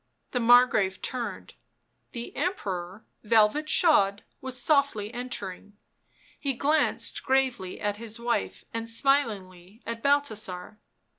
The Margrave turned; the Emperor, velvet shod, was softly entering; he glanced gravely at his wife and smilingly at Balthasar.